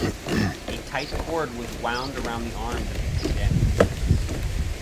A tight cord was wound around the arms of the condemned.